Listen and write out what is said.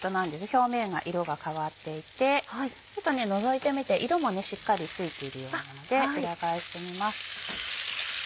表面が色が変わっていてちょっとのぞいてみて色もしっかりついているようなので裏返してみます。